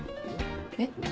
えっ？